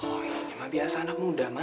boy ini mah biasa anak muda ma